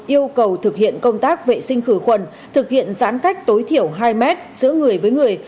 yêu cầu thực hiện công tác vệ sinh khử khuẩn thực hiện giãn cách tối thiểu hai mét giữa người với người